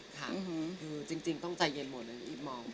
ค่ะคือจริงต้องใจเย็นหมดเลยอีฟมอง